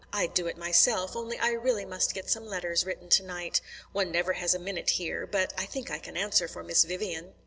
I'd do it myself, only I really must get some letters written tonight. One never has a minute here. But I think I can answer for Miss Vivian."